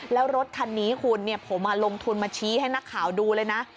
แล้วรถคันนี้คุณผมลงทุนมาชี้ให้นักข่าวดูเลยนะ